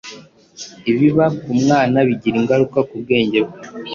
ibiba ku mwana bigira ingaruka ku bwenge bwe